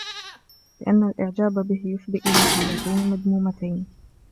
لِأَنَّ الْإِعْجَابَ بِهِ يُفْضِي إلَى حَالَتَيْنِ مَذْمُومَتَيْنِ